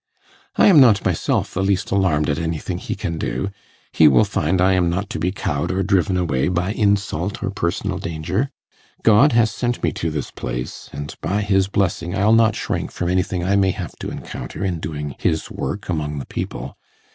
I am not myself the least alarmed at anything he can do; he will find I am not to be cowed or driven away by insult or personal danger. God has sent me to this place, and, by His blessing, I'll not shrink from anything I may have to encounter in doing His work among the people.